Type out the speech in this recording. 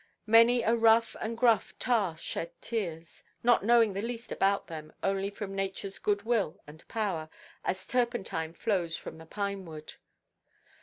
Many a rough and gruff tar shed tears, not knowing the least about them, only from natureʼs good–will and power, as turpentine flows from the pine–wood.